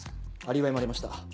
アリバイもありました。